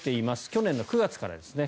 去年の９月からですね。